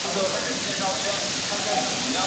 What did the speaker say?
曾在文革时被下放劳改。